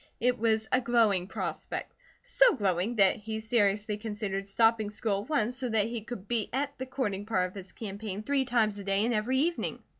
It was a glowing prospect; so glowing that he seriously considered stopping school at once so that her could be at the courting part of his campaign three times a day and every evening.